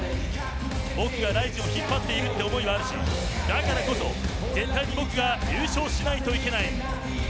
僕がＲＩＺＩＮを引っ張っているという思いはあるしだからこそ、絶対に僕が優勝しないといけない。